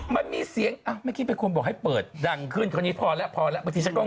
มันมีเสียงไม่คิดว่าควรบอกให้เปิดดังขึ้นทีนี้พอแล้วพอแล้ว